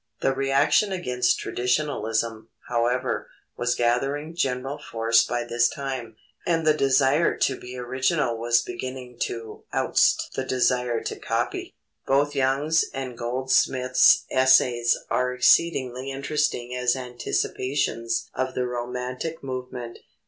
The reaction against traditionalism, however, was gathering general force by this time, and the desire to be original was beginning to oust the desire to copy. Both Young's and Goldsmith's essays are exceedingly interesting as anticipations of the romantic movement.